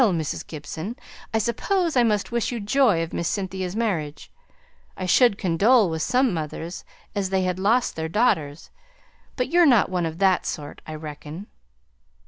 Mrs. Gibson, I suppose I must wish you joy of Miss Cynthia's marriage; I should condole with some mothers as had lost their daughters; but you're not one of that sort, I reckon."